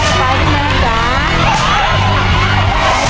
ครอบครัวของแม่ปุ้ยจังหวัดสะแก้วนะครับ